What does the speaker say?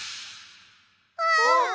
あっ。